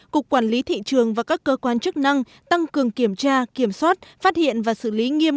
cục quản lý thị trường và các cơ quan chức năng tăng cường kiểm tra kiểm soát phát hiện và xử lý nghiêm